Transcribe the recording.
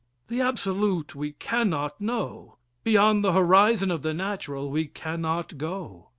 The absolute we cannot know beyond the horizon of the Natural we cannot go.